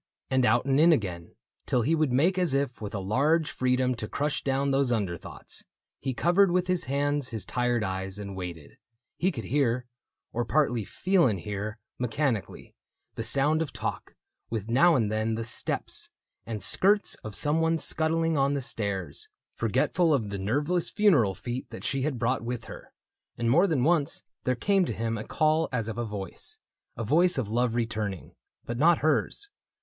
And out and in again, till he would make As if with a large freedom to crush down Those under thoughts. He covered with his hands His tired eyes, and waited : he could hear — I30 THE BOOK OF ANNANDALE Or partly feel and hear, mechanically — The sound of talk, with now and then the steps And skirts of some one scudding on the stairs. Forgetful of the nerveless funeral feet That she had brought with her; and more than once There came to him a call as of a voice — A voice of love returning — but not hers.